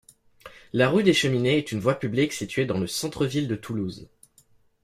La rue des Cheminées est une voie publique située dans le centre-ville de Toulouse.